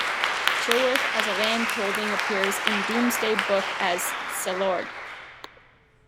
Chilworth as a landholding appears in Domesday Book as "Celeorde".